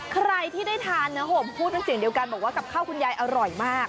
ใครที่ได้ทานเนื้อห่มพูดเป็นเสียงเดียวกันบอกว่ากับข้าวคุณยายอร่อยมาก